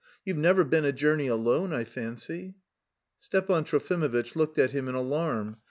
You've never been a journey alone, I fancy?" Stepan Trofimovitch looked at him in alarm.